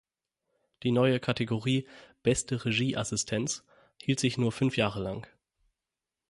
Die neue Kategorie "Beste Regieassistenz" hielt sich nur fünf Jahre lang.